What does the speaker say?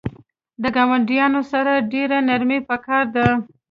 د ګاونډیانو سره ډیره نرمی پکار ده